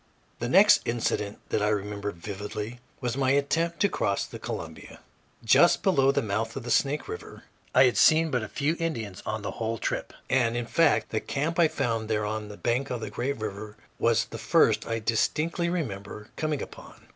The next incident that I remember vividly was my attempt to cross the Columbia, just below the mouth of the Snake River. I had seen but few Indians on the whole trip and, in fact, the camp I found there on the bank of the great river was the first I distinctly remember coming upon.